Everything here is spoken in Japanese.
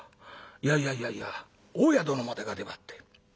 いやいやいやいや大家殿までが出張って。